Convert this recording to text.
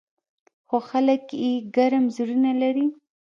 خو خلک یې ګرم زړونه لري.